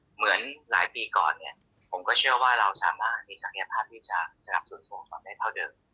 เหมือนหลายปีก่อนเนี่ยผมก็เชื่อว่าเราสามารถมีศักยภาพที่จะสนับสนุนส่งความได้เท่าเดิม